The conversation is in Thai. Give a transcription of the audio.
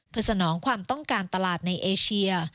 เพื่อสนองความต้องการตลาดในเอเชีย